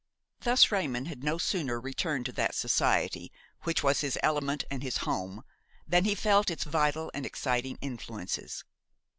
Thus Raymon had no sooner returned to that society, which was his element and his home, than he felt its vital and exciting influences.